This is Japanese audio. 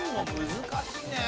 難しいね。